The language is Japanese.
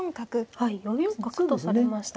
はい４四角とされました。